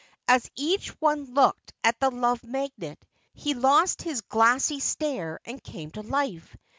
As each one looked at the Love Magnet he lost his glassy stare and came to life.